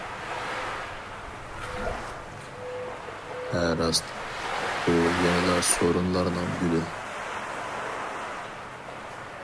ھە راست، ئۇ يەنە سورۇنلارنىڭ گۈلى.